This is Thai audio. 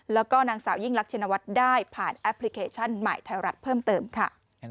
แล้วก็นางสาวยิ่งรักชินวัฒน์ได้ผ่านแอปพลิเคชันใหม่ไทยรัฐเพิ่มเติมค่ะ